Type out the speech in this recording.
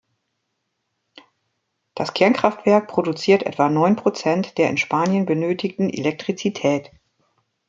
Das Kernkraftwerk produziert etwa neun Prozent der in Spanien benötigten Elektrizität.